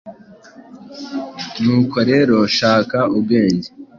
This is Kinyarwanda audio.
nuko rero shaka ubwenge.